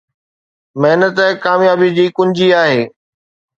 محنت ڪاميابي جي ڪنجي آهي